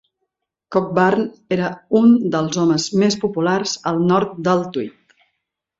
Cockburn era un dels homes més populars al nord del Tweed.